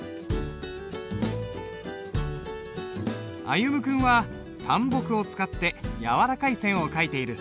歩夢君は淡墨を使って柔らかい線を書いている。